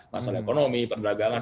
masalah ekonomi perdagangan